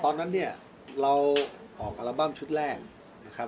ตอนนั้นเนี่ยเราออกอัลบั้มชุดแรกนะครับ